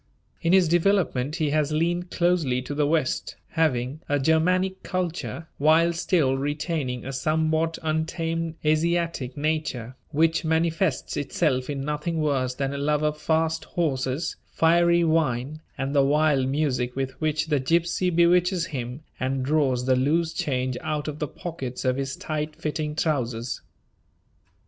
In his development he has leaned closely to the west, having a Germanic culture while still retaining a somewhat untamed Asiatic nature, which manifests itself in nothing worse than a love of fast horses, fiery wine, and the wild music with which the gypsy bewitches him, and draws the loose change out of the pockets of his tight fitting trousers.